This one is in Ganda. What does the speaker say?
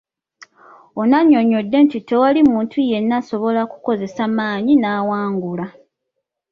Ono annyonnyodde nti tewali muntu yenna asobola kukozesa maanyi n’awangula.